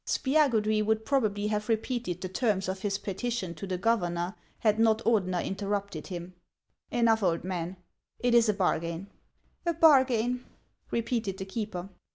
Spiagudry would probably have repeated the terms of HANS OF ICELAND. 95 his petition to the governor, had not Oixlener interrupted him. " Enough, old man ; it is a bargain." " A bargain," repeated the keeper.